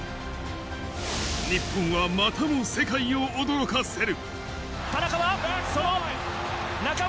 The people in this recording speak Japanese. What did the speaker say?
日本はまたも世界を驚かせる。